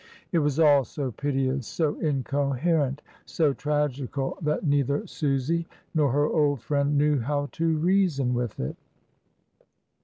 It was all so piteous, so incoherent, so tragical, that neither Susy nor her old friend knew how to reason with it.